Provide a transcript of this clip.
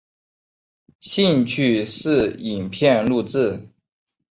兴趣是影片录制。